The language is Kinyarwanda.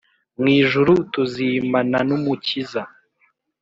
mw ijuru, tuzimanan'umukiza.